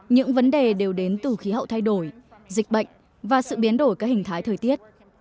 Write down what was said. những vấn đề đều đến từ khí hậu thay đổi dịch bệnh và sự biến đổi các hình thái thời tiết